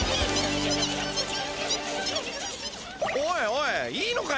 おいおいいいのかよ！